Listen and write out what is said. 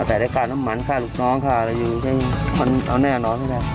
แต่ในการทำมันลูกน้องค่ะมันเอาแน่นอนไม่ได้